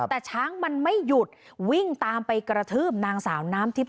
แต่ช้างมันไม่หยุดวิ่งตามไปกระทืบนางสาวน้ำทิพย์